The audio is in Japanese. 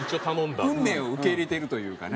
運命を受け入れてるというかね。